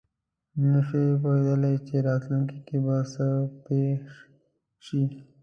نه شي پوهېدلی چې راتلونکې کې به څه پېښ شي.